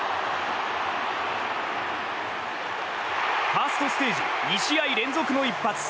ファーストステージ２試合連続の一発。